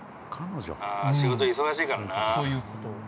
ああ仕事忙しいからな。